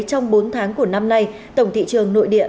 trong bốn tháng của năm nay tổng thị trường nội địa